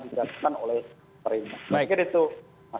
diberikan oleh pemerintah